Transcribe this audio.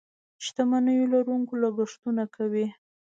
شتمنيو لرونکي لګښتونه کوي.